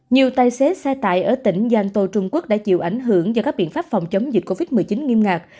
nhiều tài xế xe tải ở tỉnh giang tô trung quốc đã chịu ảnh hưởng do các biện pháp phòng chống dịch covid một mươi chín nghiêm ngạc